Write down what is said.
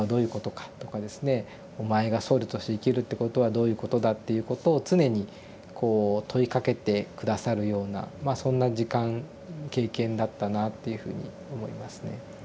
「お前が僧侶として生きるってことはどういうことだ」っていうことを常にこう問いかけて下さるようなまあそんな時間経験だったなっていうふうに思いますね。